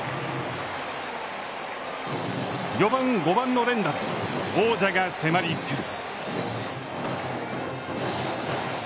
４番、５番の連打で王者が迫り来る。